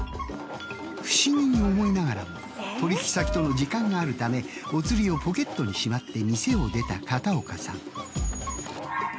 不思議に思いながらも取引先との時間があるためお釣りをポケットにしまって店を出た片岡さん。